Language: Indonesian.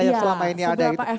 yang selama ini ada